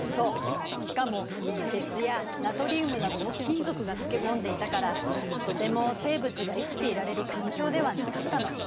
しかも鉄やナトリウムなどの金属が溶け込んでいたからとても生物が生きていられる環境ではなかったの。